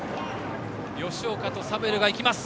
吉岡とサムエルが行きます。